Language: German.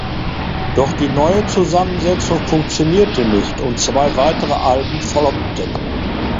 Doch die neue Zusammensetzung funktionierte nicht und zwei weitere Alben floppten.